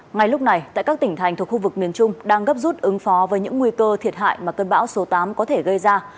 ngay lúc này tại các tỉnh thành thuộc khu vực miền trung đang gấp rút ứng phó với những nguy cơ thiệt hại mà cơn bão số tám có thể gây ra